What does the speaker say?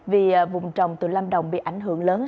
vì vùng trồng từ lâm đồng bị ảnh hưởng lớn